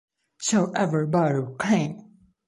Show everybody you're clean.